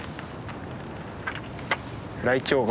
ライチョウが。